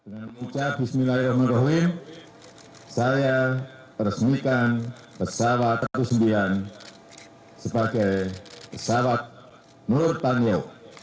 dengan ucap bismillahirrahmanirrahim saya resmikan pesawat n dua ratus sembilan belas sebagai pesawat nurtanio